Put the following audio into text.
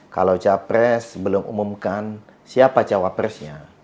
kalau capres belum umumkan siapa jawab presnya